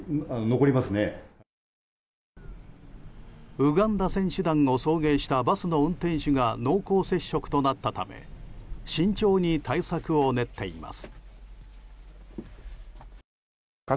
ウガンダ選手団を送迎したバスの運転手が濃厚接触となったため慎重に対策を練っています。